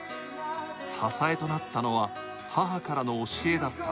支えとなったのは母からの教えだった。